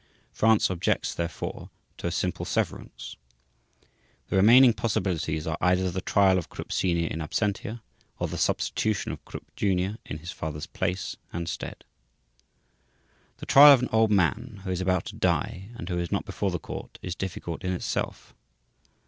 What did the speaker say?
France objects therefore to a simple severance. The remaining possibilities are either the trial of Krupp Sr. in absentia or the substitution of Krupp Jr. in his father's place and stead. The trial of an old man who is about to die and who is not before the Court is difficult in itself.